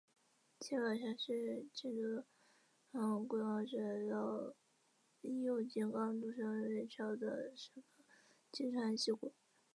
保津峡是京都府龟冈市到京都市右京区岚山渡月桥的保津川溪谷。